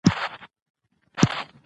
احمدشاه بابا د پوهانو ملاتړ کاوه.